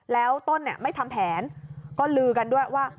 แล้วต้นไม่ทำแผนก็ลือกันด้วยว่า